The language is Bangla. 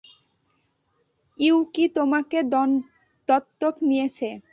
ইউকি তোমাকে দত্তক নিয়েছে।